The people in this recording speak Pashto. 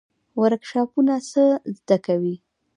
ورکشاپونه څه زده کوي؟